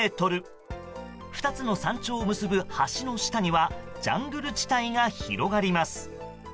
２つの山頂を結ぶ橋の下にはジャングル地帯が広がります。